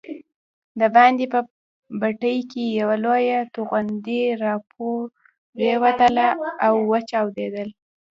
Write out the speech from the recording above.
دباندې په بټۍ کې یوه لویه توغندۍ راپرېوتله او وچاودل.